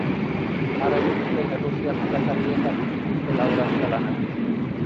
Hara jo zuten errusiar nekazariek hasi zituzten laborantza-lanak.